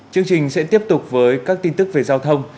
chương trình sẽ tiếp tục với các tin tức về giao thông